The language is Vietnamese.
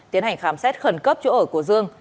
tiến hành khám xét khẩn cấp chỗ ở của dương